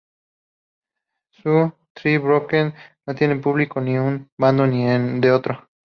Su "The Broken" no tiene público ni de un bando ni de otro.